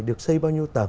được xây bao nhiêu tầng